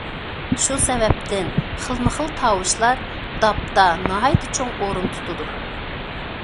شۇ سەۋەبتىن خىلمۇ خىل تاۋۇشلار داپتا ناھايىتى چوڭ ئورۇن تۇتىدۇ.